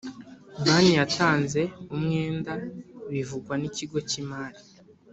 Banki yatanze umwenda bivugwa n’ ikigo kimari